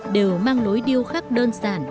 đều mang lối điêu khắc đơn giản